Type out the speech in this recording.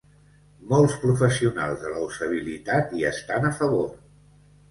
Molts professionals de la usabilitat hi estan a favor.